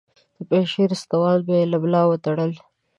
د پنجشیر ستوان به یې له ملا وتړل.